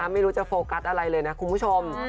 ไม่รู้จะโฟกัสอะไรเลยนะคุณผู้ชม